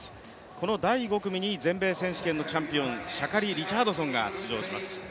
この第５組に全米選手権のチャンピオンシャカリ・リチャードソンが出場します。